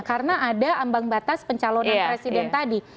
karena ada ambang batas pencalonan presiden tadi